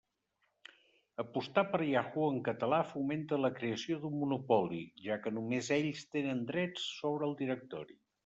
Apostar per Yahoo en català fomenta la creació d'un monopoli, ja que només ells tenen drets sobre el directori.